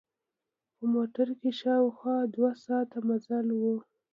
په موټر کې شاوخوا دوه ساعته مزل و.